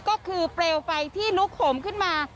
ก็คือเปลวไฟที่ลุกหมขึ้นมา